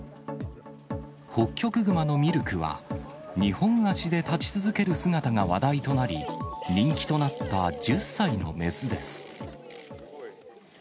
ホッキョクグマのミルクは、２本足で立ち続ける姿が話題となり、人気となった１０歳の雌です。